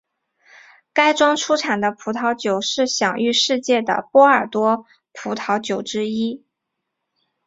该庄出产的葡萄酒是享誉世界的波尔多葡萄酒之一。